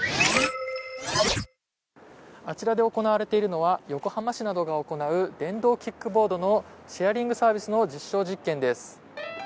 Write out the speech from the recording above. あちらで行われているのは横浜市などが行う電動キックボードのシェアリングサービスの実証実験です。